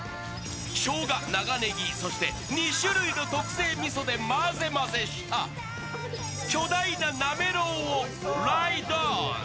しょうが、長ねぎ、そして２種類の特製みそでまぜまぜした巨大ななめろうをライドオン。